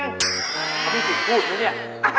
ซึ้งพูดด้วยนะ